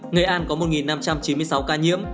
nghệ an có một năm trăm chín mươi sáu ca nhiễm